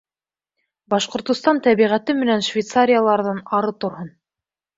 — Башҡортостан тәбиғәте менән Швейцарияларҙан ары торһон!